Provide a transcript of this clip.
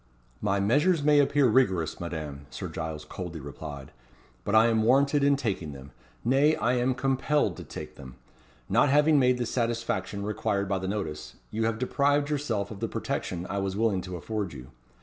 "My measures may appear rigorous, Madame," Sir Giles coldly replied; "but I am warranted in taking them. Nay, I am compelled to take them. Not having made the satisfaction required by the notice, you have deprived yourself of the protection I was willing to afford you.